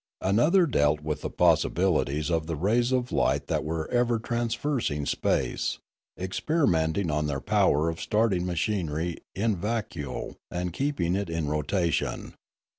Another dealt with the possibilities of the rays of light that were ever traversing space, experimenting on their power of starting machinery in vacuo and keeping it in rotation.